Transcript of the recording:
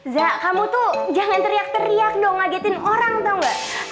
za kamu tuh jangan teriak teriak dong ngagetin orang tau gak